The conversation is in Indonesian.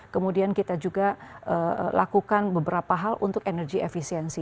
kemudian kita juga lakukan beberapa hal untuk energy efficiency